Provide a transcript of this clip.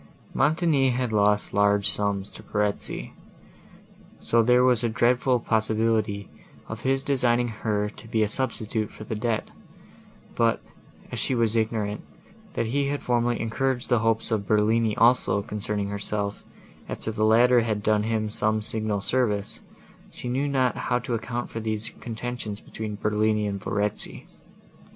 Montoni had lost large sums to Verezzi, so that there was a dreadful possibility of his designing her to be a substitute for the debt; but, as she was ignorant, that he had formerly encouraged the hopes of Bertolini also, concerning herself, after the latter had done him some signal service, she knew not how to account for these contentions between Bertolini and Verezzi.